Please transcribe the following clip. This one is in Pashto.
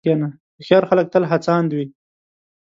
هوښیار خلک تل هڅاند وي.